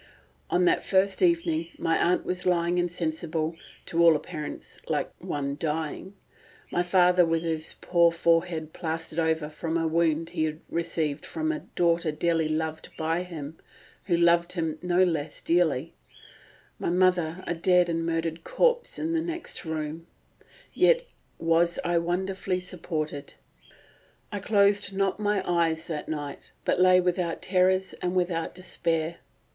On that first evening, my aunt was lying insensible, to all appearance like one dying,—my father with his poor forehead plastered over from a wound he had received from a daughter dearly loved by him, who loved him no less dearly,—my mother, a dead and murdered corpse in the next room,—yet was I wonderfully supported. I closed not my eyes that night, but lay without terrors and without despair.